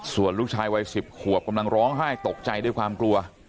ส่วนลูกชายวัย๑๐ขวบกำลังร้องไห้ตกใจด้วยความกลัว